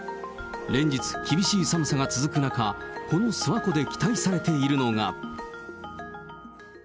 連日厳しい寒さが続く中、この諏訪湖で期待されているのが。